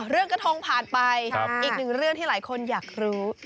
กระทงผ่านไปอีกหนึ่งเรื่องที่หลายคนอยากรู้